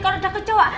kalau ada kecoak